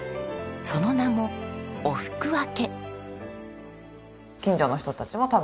その名もおふくわけ。